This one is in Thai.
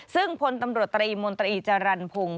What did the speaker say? ซึ่งพลตำรวจตรีมนตรีจรรพงศ์